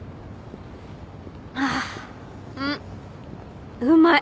ああんうまい。